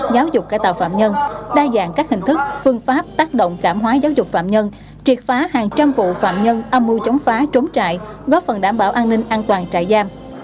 giáo dục cải tạo phạm nhân đa dạng các hình thức phương pháp tác động cảm hóa giáo dục phạm nhân triệt phá hàng trăm vụ phạm nhân âm mưu chống phá trốn trại góp phần đảm bảo an ninh an toàn trại giam